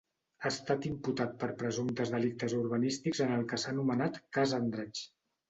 Ha estat imputat per presumptes delictes urbanístics en el que s'ha anomenat Cas Andratx.